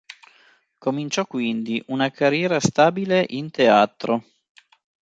Cominciò quindi una carriera stabile in teatro.